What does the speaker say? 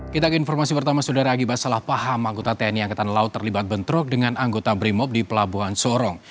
kita ke informasi pertama saudara akibat salah paham anggota tni angkatan laut terlibat bentrok dengan anggota brimob di pelabuhan sorong